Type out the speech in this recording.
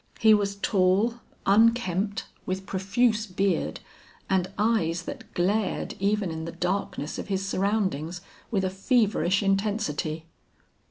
He was tall, unkempt, with profuse beard, and eyes that glared even in the darkness of his surroundings, with a feverish intensity.